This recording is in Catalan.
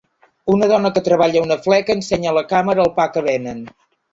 Una dona que treballa a una fleca ensenya a la càmera el pa que venen.